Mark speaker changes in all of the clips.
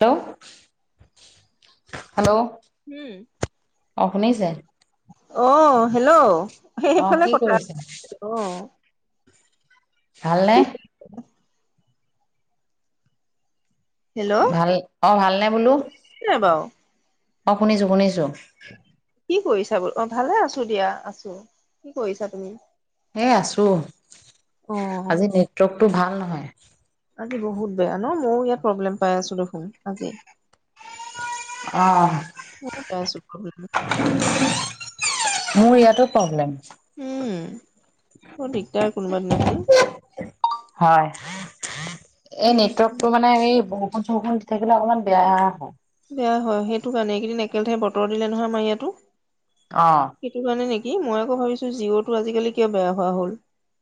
Speaker 1: Hello hello অ শুনিছে?
Speaker 2: অঁ হেল্ল' সেই
Speaker 1: অ
Speaker 2: সেইফালে
Speaker 1: কি
Speaker 2: কথা
Speaker 1: কৰিছে
Speaker 2: অঁ
Speaker 1: ভালনে?
Speaker 2: [inaudible]
Speaker 1: ভাল অঁ ভালনে বোলো?
Speaker 2: কেলে বাৰু
Speaker 1: অ শুনিছোঁ শুনিছোঁ।
Speaker 2: কি কৰিছা বুলো? অ' ভালে আছো দিয়া আছো কি কৰিছা তুমি?
Speaker 1: এ আছো,
Speaker 2: অ
Speaker 1: আজি নেটৱৰ্কটো ভাল নহয়।
Speaker 2: আজি বহুত বেয়া ন, ময়ো ইয়াত প্ৰব্লেম পাই আছোঁ দেখোন আজি। ময়ো
Speaker 1: আহ'।
Speaker 2: পাই আছো প্ৰব্লেম
Speaker 1: মোৰ ইয়াত প্ৰব্লেম
Speaker 2: উম' বৰ দিগদাৰ কোনোবা দিনাখন।
Speaker 1: হয়, এই
Speaker 2: উম
Speaker 1: নেটৱৰ্কটো মানে মানে হেৰি বৰষুণ চৰষুণ দি থাকিলে অকণমান বেয়া হয়।
Speaker 2: বেয়া হয়', সেইটো কাৰনে এইকেইদিন একেলগে বতৰ দিলে নহয় আমাৰ ইয়াটো।
Speaker 1: অঁ।
Speaker 2: সেইটো কাৰণে নেকি, মই আকৌ ভাবিছো জিঅ'টো আজিকালি কিয়া বেয়া হোৱা হ'ল।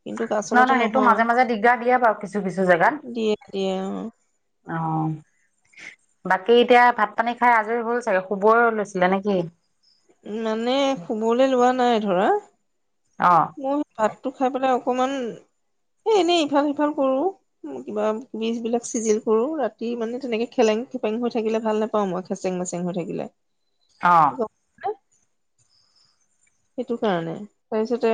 Speaker 2: কিন্তু
Speaker 1: নহয়
Speaker 2: আচলতে
Speaker 1: নহয়, সেইটো মাজে মাজে দিগদাৰ দিয়ে বাৰু কিছু কিছু
Speaker 2: দিয়ে
Speaker 1: জেগাত।
Speaker 2: দিয়ে অ
Speaker 1: অহ'। বাকী এতিয়া ভাত পানী খাই আজৰি হ'ল চাগে শুবৰে লৈছিলে নেকি।
Speaker 2: মানে শুবলে লোৱা নাই ধৰা।
Speaker 1: অহ
Speaker 2: মই ভাতটো খাই পেলাই অকমান এ এনেই ইফাল সিফাল কৰো। মই কিবা বীজ বিলাক চিজিল কৰো ৰাতি মানে তেনেকে খেলেং খেপেং হৈ থাকিলে ভাল নাপাও মই। খেচেং মেচং হৈ থাকিলে।
Speaker 1: অহ
Speaker 2: সেইটো কাৰণে। তাৰপিছতে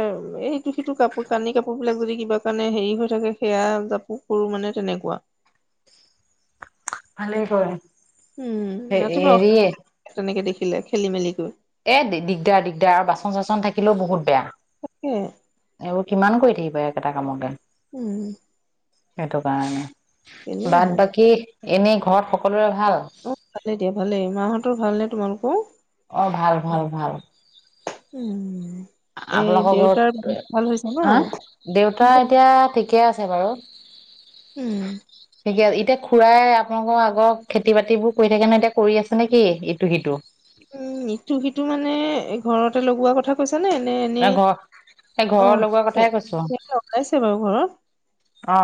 Speaker 2: এই ইটো সিটো কাপোৰ কানি কাপোৰ বিলাক যদি কিবা কাৰণে হেৰি হৈ থাকে সেয়া জাপো। কৰো মানে তেনেকুৱা
Speaker 1: ভালে কৰে
Speaker 2: উম ৰাতিপুৱা
Speaker 1: হেৰি
Speaker 2: অশান্তি তেনেকে দেখিলে খেলি মেলি কৰি।
Speaker 1: এ দিগদাৰ দিগদাৰ আৰু বাচন চাচন থাকিলেও বহুত বেয়া।
Speaker 2: তাকে
Speaker 1: এইবোৰ কিমান কৰি থাকিবা একেটা কামকে।
Speaker 2: উম
Speaker 1: সেইটো কাৰণে
Speaker 2: কেলে
Speaker 1: বাদ
Speaker 2: নহয়
Speaker 1: বাকী এনেই ঘৰত সকলোৰে ভাল
Speaker 2: অ ভালে দিয়া ভালেই মাহঁতৰ ভাল নে তোমালোকৰ
Speaker 1: অ ভাল ভাল ভাল
Speaker 2: উম এই
Speaker 1: আপোনালোকৰ
Speaker 2: দেউতাৰ
Speaker 1: ঘৰত
Speaker 2: ভাল হৈছে ন
Speaker 1: হা দেউতা এতিয়া ঠিকে আছে বাৰু
Speaker 2: উম
Speaker 1: ঠিকে আছে এতিয়া খুড়াই আপোনালোকৰ আগৰ খেতি বাতিবোৰ কৰি থাকে নহয় এতিয়া কৰি আছে নেকি ইটো সিটো
Speaker 2: উম ইটো সিটো মানে ঘৰতে লগোৱাৰ কথা কৈছা নে নে
Speaker 1: এ
Speaker 2: এনেই
Speaker 1: ঘৰ এই
Speaker 2: অ
Speaker 1: ঘৰৰ লগোৱা
Speaker 2: সে
Speaker 1: কথাই কৈছো
Speaker 2: খেতি লগাইছে বাৰু ঘৰত
Speaker 1: অ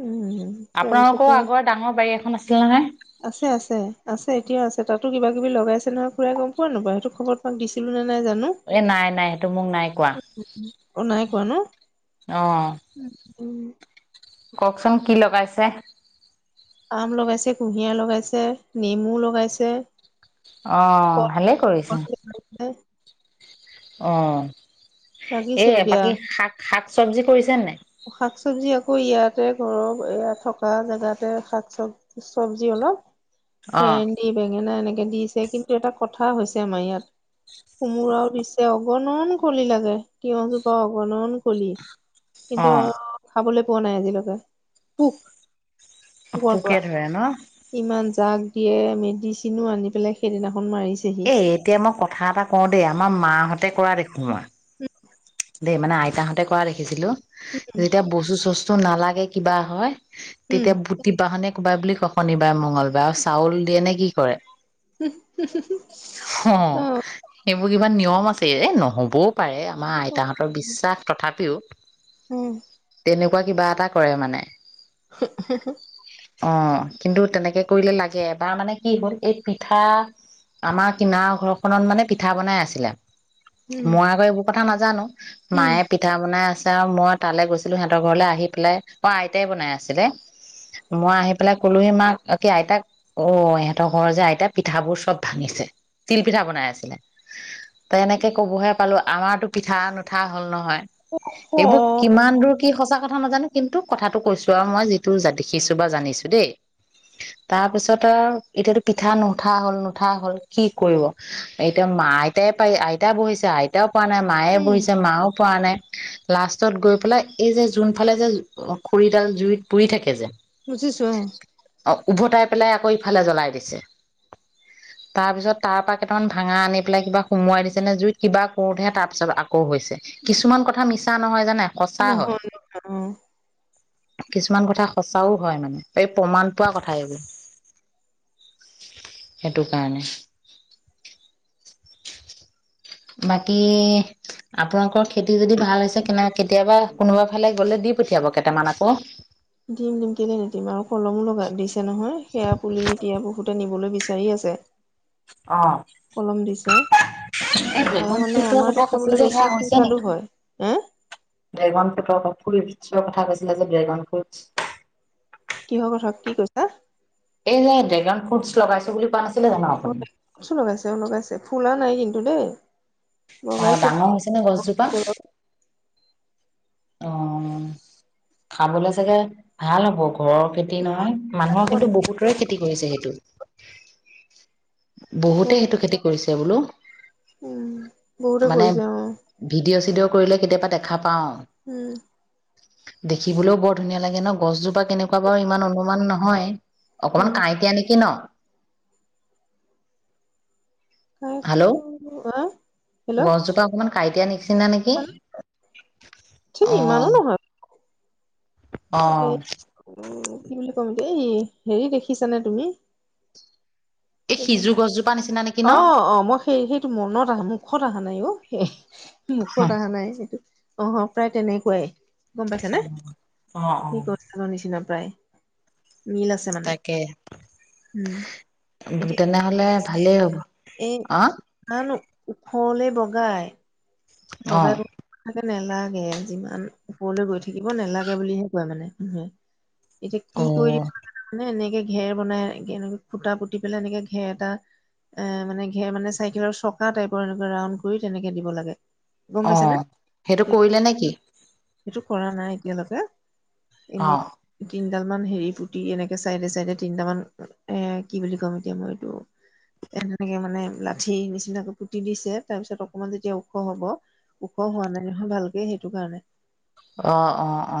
Speaker 2: উম
Speaker 1: আপোনালোকৰ
Speaker 2: তাৰপিছতে
Speaker 1: আগৰ ডাঙৰ বাৰী এখন আছিলনে নহয়
Speaker 2: আছে আছে আছে এতিয়াও আছে তাতো কিবা কিবি লগাইছে খুড়াই গম পোৱা নোপোৱা সেইটো খবৰ তোমাক দিছিলো নে নাই জানো
Speaker 1: এ নাই নাই সেইটো মোক নাই কোৱা
Speaker 2: অ নাই কোৱা ন
Speaker 1: অ
Speaker 2: উম
Speaker 1: কওকচোন কি লগাইছে
Speaker 2: আম লগাইছে কুঁহিয়াৰ লগাইছে নেমু লগাইছে
Speaker 1: অ
Speaker 2: কল
Speaker 1: ভালেই
Speaker 2: কল
Speaker 1: কৰিছে
Speaker 2: [unintelligible]
Speaker 1: অ এ
Speaker 2: লাগিছেও দিয়া
Speaker 1: বাকী শাক শাক চবজি কৰিছে নাই
Speaker 2: শাক চবজি আকৌ ইয়াতে ঘৰৰ থকা জেগাতে শাক চব চবজি অলপ
Speaker 1: অ',
Speaker 2: সেই এই বেঙেনা এনেকে দিছে কিন্তু এটা কথা হৈছে আমাৰ ইয়াত কোমোৰাও দিছে অগণন কলি লাগে তিয়হজোপা অগণন কলি কিন্তু
Speaker 1: অ',
Speaker 2: খাবলৈ পোৱা নাই আজিলৈকে পোক পোকৰ
Speaker 1: পোকে
Speaker 2: পৰা
Speaker 1: ধৰে ন?
Speaker 2: ইমান জাক দিয়ে মেডিচিনো আনি পেলাই সেইদিনাখন মাৰিছেহি
Speaker 1: এই এতিয়া মই কথা এটা কওঁ দেই আমাৰ মাহঁতে কৰা দেখো মই
Speaker 2: উম
Speaker 1: দেই মানে আইতাহঁতে কৰা দেখিছিলো যেতিয়া বস্তু চস্তু নালাগে কিবা হয়
Speaker 2: উম
Speaker 1: তেতিয়া বুটি বাহনে কোবাই বুলি কয় শনিবাৰ মঙগলবাৰে, আৰু চাউল দিয়ে নে কি কৰে? অ',
Speaker 2: [unintelligible] অহ।
Speaker 1: সেইবোৰ কিবা নিয়ম আছে, এই নহবও পাৰে আমাৰ আই তা হঁতৰ বিশ্বাস, তথাপিও
Speaker 2: উম
Speaker 1: তেনেকুৱা কিবা এটা কৰে মানে।
Speaker 2: হুহ, হুহ, হুহ।
Speaker 1: অ', কিন্তু তেনেকে কৰিলে লাগে, এবাৰ মানে কি হ'ল? এই পিঠা আমাৰ কিনাৰৰ ঘৰখনত মানে পিঠা বনাই আছিলে।
Speaker 2: উম
Speaker 1: মই আকৌ এইবোৰ কথা নাজানো,
Speaker 2: উম
Speaker 1: মায়ে পি পিঠা বনাই আছে আৰু, মই তালৈ গৈছিলোঁ, সিহঁতৰ ঘৰলৈ আহি পেলাই, অ', আইতাই বনাই আছিলে। মই আহি পেলাই ক'লোহি মাক কি আইতাক, অ', ইহঁতৰ ঘৰ যে আইতা, পিঠাবোৰ চব ভাঙিছে। তিল পিঠা বনাই আছিলে। তেনেকে কবহে পালোঁ, আমাৰতো পিঠা নুঠা হল নহয়।
Speaker 2: অ
Speaker 1: এইবোৰ কিমান দূৰ কি সঁচা কথা নাজানো, কিন্তু কথাটো কৈছোঁ আৰু মই যিটো জাতি দেখিছোঁ বা জানিছোঁ দেই। তাৰপিছত আৰু এতিয়াতো পিঠা নুঠা হ'ল, নুঠা হ'ল, কি কৰিব? এতিয়া মাই পাৰি, আইতা বহিছে আইতাও পৰা নাই, মায়ে
Speaker 2: উম
Speaker 1: বহিছে মাও পৰা নাই। লাষ্টত গৈ পেলাই, এই যে যোনফালে যে খৰিডাল জুইত পুৰি থাকে যে
Speaker 2: বুজিছোঁ অহ।
Speaker 1: অ', উভতাই পেলাই আকৌ ইফালে জ্বলাই দিছে।
Speaker 2: উ
Speaker 1: তাৰপিছত তাৰপৰা কেইটামান ভাঙা আনি পেলাই কিবা সোমোৱাই দিছে নে জুইত, কিবা কৰোতেহে তাৰ পিছত আকৌ হৈছে। কিছুমান কথা মিছা নহয় জানে, সঁচা
Speaker 2: নহয়
Speaker 1: হয়।
Speaker 2: নহয় অ
Speaker 1: কিছুমান কথা সঁচাও হয় মানে, এই প্ৰমাণ পোৱা কথা এইবোৰ। সেইটোকাৰণে। বাকী আপোনালোকৰ খেতি যদি ভাল হৈছে, কেনে কেতিয়াবা কোনোবা ফালে গ'লে দি পঠিয়াব কেইটামান আকৌ।
Speaker 2: দিম দিম, কেলে নিদিম আৰু কলমো লগা দিছে নহয়, সেয়া পুলি এতিয়া বহুতে নিবলৈ বিচা বিচাৰি আছে, কলম দিছে।
Speaker 1: এৰ
Speaker 2: আৰু
Speaker 1: ড্ৰেগন
Speaker 2: মানে
Speaker 1: ফুইটচ
Speaker 2: আমাৰতো
Speaker 1: কথা
Speaker 2: খাবলৈ
Speaker 1: কৈছিল যে,
Speaker 2: বেছি
Speaker 1: সেয়া হৈছে
Speaker 2: সুস্বাদু
Speaker 1: নেকি?
Speaker 2: হয় হে
Speaker 1: ড্ৰেগন ফ্ৰুটৰ, ফ্ৰুইটছৰ কথা কৈছিলে যে, ড্ৰেগন ফ্ৰুটচ।
Speaker 2: কিহৰ কথা? কি কৈছা?
Speaker 1: এই যে ড্ৰেগন ফ্ৰুটছ লগাইছো বুলি কোৱা নাচি
Speaker 2: [unintelligible] লগাইছে, অ', লগাইছে, ফুলা নাই কিন্তু দেই।
Speaker 1: অ
Speaker 2: লগাইছে
Speaker 1: ডাঙৰ হৈছে নে গছজোপা?
Speaker 2: [unintelligible]
Speaker 1: অহ। খাবলৈ চাগে ভাল হ'ব। ঘৰৰ খেতি নহয়, মানুহৰ কিন্তু বহুতৰে খেতি কৰিছে সেইটো। বহুতেই সেইটো খেতি কৰিছে বোলো।
Speaker 2: উম, বহুতেই
Speaker 1: মানে
Speaker 2: কৰিছে, উম।
Speaker 1: ভিডিঅ' চিডিঅ' কৰিলে কেতিয়াবা দেখা পাওঁ।
Speaker 2: উম।
Speaker 1: দেখিবলৈও বৰ ধুনীয়া লাগে ন', গছজোপা তেনেকুৱা বাৰু ইমান অনুমান নহয়, অকমান
Speaker 2: উম
Speaker 1: কাঁইটীয়াা নেকি ন'? হেল্লৌ',
Speaker 2: আহ হেল্ল'
Speaker 1: গছজোপা অকমান কাঁইটিয়া নিচিনা নেকি?
Speaker 2: মানে ঠিক
Speaker 1: অ
Speaker 2: ইমানো নহয়
Speaker 1: অ
Speaker 2: এই কি বুলি কম এতিয়া এই হেৰি দেখিছানে তুমি
Speaker 1: এই সিজ গছজোপা নিচিনা নে
Speaker 2: অ অ মই সেই সেইটো মনত আহা মুখত আহা নাই অ
Speaker 1: অ
Speaker 2: মুখত অহা নাই এইটো অ প্ৰায় তেনেকুৱাই গম পাইছা নে
Speaker 1: অ
Speaker 2: সেই গছ জোপা নিচিনা প্ৰায় নীল
Speaker 1: তাকে তেনেহলে ভালেই হ'ব
Speaker 2: এ
Speaker 1: অ
Speaker 2: ইমান ওখলে বগাই
Speaker 1: অ
Speaker 2: বগাই তাকে নেলাগে যিমান ওপৰলৈ গৈ থাকিব নেলাগে বুলিহে কয় মানে মানুহে এতিয়া কি
Speaker 1: অ
Speaker 2: কৰি দিব মানে এনেকে ঘেৰ বনাই এনে খুটা পুতি পেলাই এনেকে ঘেৰ এটা এ মানে ঘেৰ মানে চাইকেলৰ চকা টাইপৰ এনেক ৰাউড কৰি তেনেকে দিব লাগে গম
Speaker 1: অ
Speaker 2: পাইছ নে
Speaker 1: সেইটো কৰিলে নেকি
Speaker 2: সেইটো কৰা নাই এতিয়ালৈকে
Speaker 1: অ
Speaker 2: এনেই তিনিডাল মান হেৰি পুটি এনেকে চাইডে চাইডে তিনট মান এ কি বুলি কম এতিয়া মই এইটো এ তেনেকে মানে লাঠি নিচিনাকৈ পুতি দিছে তাৰ পিছত অকমান যেতিয়া ওখ হব ওখ হোৱা নাই নহয় ভালকে সেইটো কাৰণে
Speaker 1: অ অ অ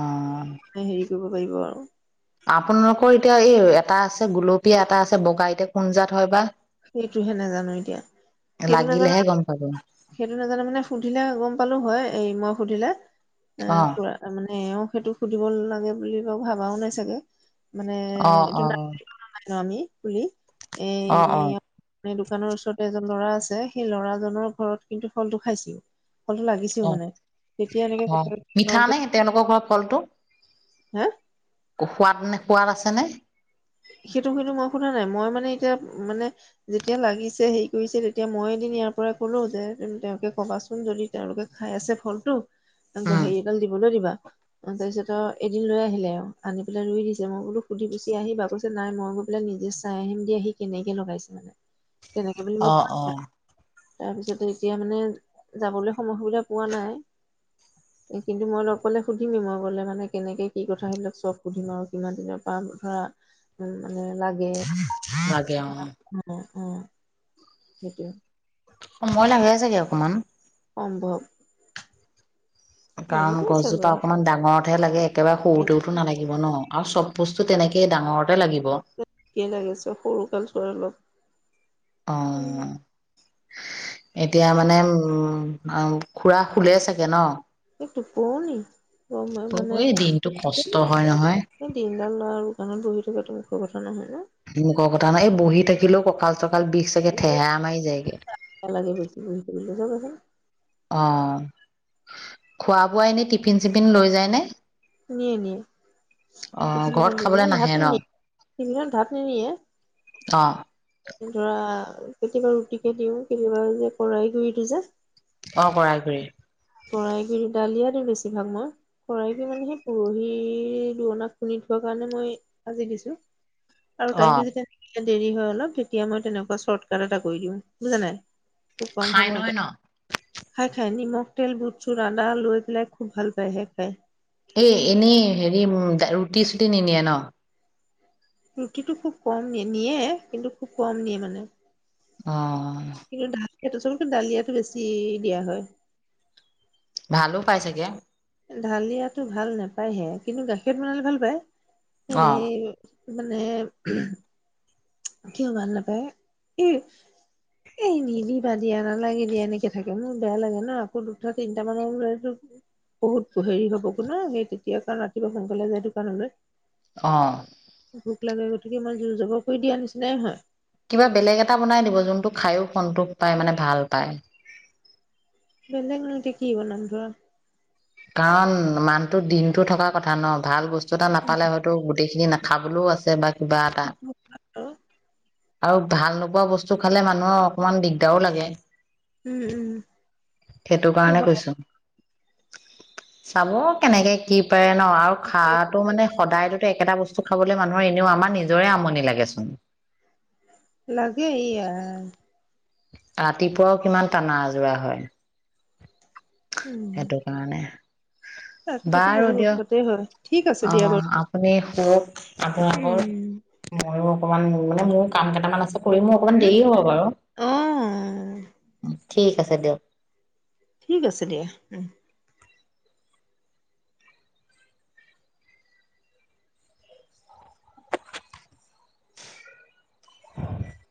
Speaker 2: হেৰি কৰিব পাৰিব আৰু
Speaker 1: আপোনালোকৰ এতিয়া এই এটা আছে গুলপীয়া এটা আছে বগা এতে কোনজাত হয় বা
Speaker 2: সেইটোহে নাজানো এতিয়া। সেইটো নাজানো
Speaker 1: লাগিলেহে গম পাব
Speaker 2: সেইটো নাজানো মানে সুধিলে গম পালো হয় এই মই সুধিলে এ
Speaker 1: অ
Speaker 2: পুৰা তাৰ মানে এওঁও সেইটো সুধিব লাগে বুলি বাৰ ভাবাও নাই চাগে মানে
Speaker 1: অ
Speaker 2: এইটো
Speaker 1: অ
Speaker 2: ন আমি পুলি
Speaker 1: অ অ
Speaker 2: এই মানে দোকানৰ ওচৰতে এজন ল'ৰা আছে সেই লৰাজনৰ ঘৰত কিন্তু ফলটো খাইছিল ফলটো লাগিছিল
Speaker 1: অ
Speaker 2: [unintelligible] মানে তেতিয়া এনেকে
Speaker 1: অ মিঠা
Speaker 2: কথা
Speaker 1: নে তেওঁলোকৰ ঘৰ ফলটো
Speaker 2: হা!
Speaker 1: অ সোৱাদ নে, সোৱাদ আছে নে?
Speaker 2: সেইটো কিন্তু মই সোধা নাই। মই মানে এতিয়া, মানে যেতিয়া লাগিছে হেৰি কৰিছে, তেতিয়া মই এদিন ইয়াৰপৰা ক'লো যে, উম্ তেওঁকে ক'বাচোন। যদি তেওঁলোকে খাই আছে ফলটো, আ
Speaker 1: উম
Speaker 2: হেৰি এডাল দিবলৈ দিবা! অ তাৰপিছত আৰু, এদিন লৈ আহিলে। আনি পেলাই ৰুই দিছে। মই বোলো সুধি-পুচি আহিবা। কৈছ নাই মই গৈ পেলাই নিজে চাই আহিম দিয়া, সি কেনেকে লগাইছে মানে। তেনেকে বুলি
Speaker 1: অ
Speaker 2: মোক
Speaker 1: অ
Speaker 2: [unintelligible] তাৰপিছতে এতিয়া মানে, যাবলৈ সময় সুবিধা পোৱা নাই। কিন্তু মই লগ কৰিলে সুধিমেই, মই গ'লে মানে কেনেকে, কি কথা, সেইবিলাক চব সুধিম আৰু। কিমান দিনৰপৰা ধৰা! উম্ উম্ লাগে।
Speaker 1: লাগে অ
Speaker 2: উম্, উম্। সেইটোয়ে।
Speaker 1: সময় লাগে চাগে অকণমান।
Speaker 2: সম্ভৱ!
Speaker 1: কাৰণ
Speaker 2: লাগিবই
Speaker 1: গছজোপা
Speaker 2: চবৰে
Speaker 1: অকমান ডাঙৰতহে লাগে একেবাৰে সৰুতেওতো নালাগিব ন আৰু চব বস্তু তেনেকেই ডাঙৰতে লাগিব
Speaker 2: একেই লাগিছে সৰু কালচোৱাৰ অলপ।
Speaker 1: অ
Speaker 2: উম্
Speaker 1: এতিয়া মানে উম্ আ খুৰা শুলে চাগে ন!
Speaker 2: এ টোপনি। অলপ মই মানে
Speaker 1: এই দিনটো কষ্ট হয় নহয়
Speaker 2: এই দিনডাল ল'ৰা দোকানত বহি থকাতো মুখৰ কথা নহয় নে!
Speaker 1: লোকৰ কথা নাই, বহি থাকিলেও কঁকাল চকাল বিষ চাগে ঠেহেৰা মাৰি যায়গে।
Speaker 2: একেলগে বহিছিলোঁ [unintelligible]
Speaker 1: অ' খোৱা বোৱা এনেই টিফিন চিফিন লৈ যায় নে?
Speaker 2: নিয়ে, নিয়ে।
Speaker 1: অ
Speaker 2: টিফিনত
Speaker 1: ঘৰত
Speaker 2: অকল নিয়ে
Speaker 1: খাবলৈ
Speaker 2: মানে ভাত
Speaker 1: নাহে ন
Speaker 2: নিনিয়ে, টিফিনত ভাত নিনিয়ে।
Speaker 1: অ'।
Speaker 2: ধৰা কেতিয়াবা ৰুটিকে দিওঁ, কেতিয়াবা যে কৰাই গুৰিটো যে
Speaker 1: অ' কৰাই গুৰি।
Speaker 2: কৰাই গুৰি, দালিয়া দিওঁ বেছিভাগ মই। কৰাই গুৰি মানে সেই পৰহি [unintelligible] খুন্দি থোৱা কাৰণে মই আজি দিছোঁ। আৰু
Speaker 1: অ
Speaker 2: টাইমটো যেতিয়া দেৰি হয় অলপ, তেতিয়া মই তেনেকুৱা চৰ্টকাট এটা কৰি দিওঁ, বুজা নাই, খুব কম
Speaker 1: খাই নহয়
Speaker 2: সময়তে।
Speaker 1: ন
Speaker 2: খায়, খায়। নিমখ, তেল, বুট চুট, আদা লৈ পেলাই খুব ভাল পায় সেই খাই।
Speaker 1: এ, এনেই হেৰি উ, ৰুটি চুটি নিনিয়ে ন'?
Speaker 2: ৰুটিটো খুব কম নিয়ে, নিয়ে কিন্তু খুব কম নিয়ে মানে।
Speaker 1: অ'।
Speaker 2: কিন্তু [unintelligible] চবতকে দালিয়াটো বেছি দিয়া হয়।
Speaker 1: ভালো পায় চাগে।
Speaker 2: দালিয়াটো ভাল নাপায়হে কিন্তু গাখীৰেৰে বনালে ভাল পায়।
Speaker 1: অ
Speaker 2: এ মানে কিয় ভাল নাপায়? [unintelligible] এই নিদিবা, দিয়া নালাগে দিয়া, এনেকে থাকে, মোৰ বেয়া লাগে না আকৌ দুটা তিনটা মানৰ পৰাটো বহুত ব হেৰি হ'ব [unintelligible] তেতিয়া কাৰণ ৰাতিপুৱা সোনকালে যায় দোকানলৈ।
Speaker 1: অ'।
Speaker 2: ভোক লাগে গতিকে মই জুৰ জবৰ কৰি দিয়া নিচিনাই হয়।
Speaker 1: কিবা বেলেগ এটা বনাই দিব যোনটো খাইয়ো সন্তোষ পায়, মানে ভাল পায়।
Speaker 2: বেলেগনো এতিয়া কি বনাম [unintelligible]
Speaker 1: কাৰণ মানুহটো দিনটো থকা কথা ন' ভাল বস্তু এটা নাপালে হয়তো গোটেইখিনি না খাবলৈও আছে বা কিবা এটা। আৰু ভাল নোপোৱা বস্তু খালে মানুহৰ অকণমান দিগদাৰো লাগে।
Speaker 2: উম, উম।
Speaker 1: সেইটো কাৰণে কৈছোঁ। চাব কেনেকে কি পাৰে ন' আৰু খাটো মানে সদায়েতো একেটা বস্তু খাবলৈ মানুহৰ এনেও, আমাৰ নিজৰে আমনি লাগেচোন।
Speaker 2: লাগে ই আই।
Speaker 1: ৰাতিপুৱাও কিমান টানা আজোৰা হয়। সেইটো কাৰণে।
Speaker 2: তাৰপিছতো
Speaker 1: বাৰু
Speaker 2: বহুত
Speaker 1: দিয়ক
Speaker 2: উৎপতে হয়। ঠিক আছে
Speaker 1: অ
Speaker 2: দিয়া বাৰু।
Speaker 1: আপুনি শুৱক, আপোনোকৰ,
Speaker 2: উম
Speaker 1: মইও অকমান মানে মোৰ কাম কেইটামান আছে। কৰি মোৰ অকণমান
Speaker 2: হম
Speaker 1: দেৰি হ'ব বাৰু।
Speaker 2: অ
Speaker 1: উ, ঠিক আছে দিয়ক।
Speaker 2: ঠিক আছে দিয়া উম।
Speaker 1: [inaudible]